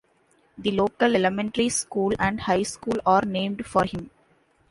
The local elementary school and high school are named for him.